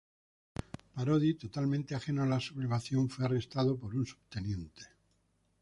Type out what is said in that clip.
Parodi, totalmente ajeno a la sublevación, fue arrestado por un subteniente.